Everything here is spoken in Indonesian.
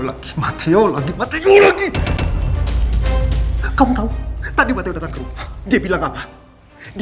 anda semua tidak akan menangkan diri saja dalam dunia ini